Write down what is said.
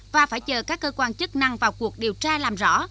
và phải chờ các cơ quan chức năng vào cuộc điều tra làm rõ